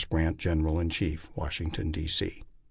GRANT, General in Chief, Washington, D. C.